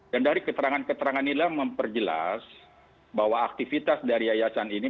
dan dari keterangan keterangan ini memperjelas bahwa aktivitas dari yayasan ini